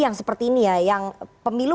yang seperti ini ya yang pemilu